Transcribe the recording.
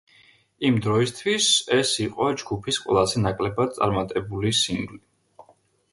იმ დროისთვის ეს იყო ჯგუფის ყველაზე ნაკლებად წარმატებული სინგლი.